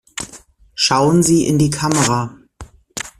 Schauen Sie in die Kamera!